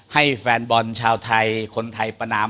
ให้แฟนบอลชาวไทยคนไทยประนาม